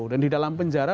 dan di dalam penjara